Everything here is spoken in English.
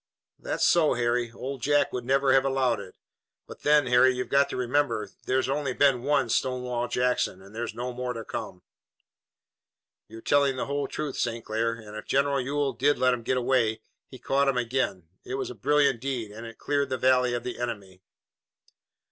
"That's so, Harry, Old Jack would never have allowed it. But then, Harry, we've got to remember that there's been only one Stonewall Jackson, and there's no more to come." "You're telling the whole truth, St. Clair, and if General Ewell did let 'em get away, he caught 'em again. It was a brilliant deed, and it's cleared the Valley of the enemy."